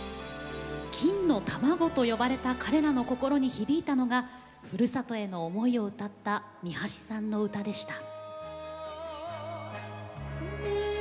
金の卵と呼ばれた彼らの心に響いたのがふるさとへの思いを歌った三橋さんの歌でした。